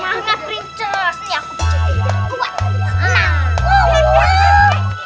putak putak putak